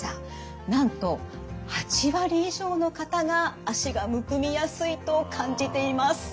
なんと８割以上の方が脚がむくみやすいと感じています。